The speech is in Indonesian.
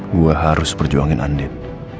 gue harus perjuangin anin